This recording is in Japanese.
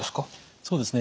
そうですね